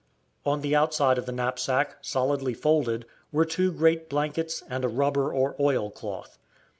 On the outside of the knapsack, solidly folded, were two great blankets and a rubber or oil cloth.